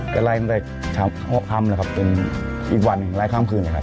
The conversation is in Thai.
แต่รายตั้งแต่๖คันครับจนอีกวันรายกล้ามคืนครับ